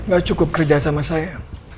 gak cukup kerja sama saya